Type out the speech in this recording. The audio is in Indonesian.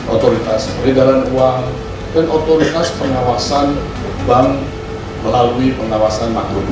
otoritas peredaran uang dan otoritas pengawasan bank melalui pengawasan maklum